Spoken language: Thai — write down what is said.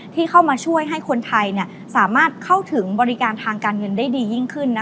ที่เข้ามาช่วยให้คนไทยสามารถเข้าถึงบริการทางการเงินได้ดียิ่งขึ้น